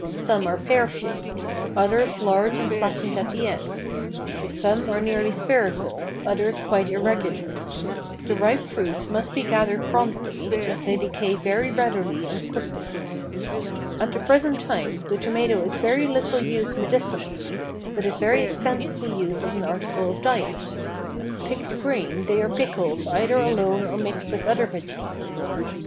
Some are pear shaped; others large and flattened at the ends. Some are nearly spherical, others quite irregular. The ripe fruits must be gathered promptly, as they decay very readily and quickly. At the present time the tomato is very little used medicinally, but is very extensively used as an article of diet. Picked green they are pickled either alone or mixed with other vegetables.